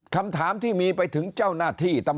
คำถามที่มีไปถึงเจ้าหน้าที่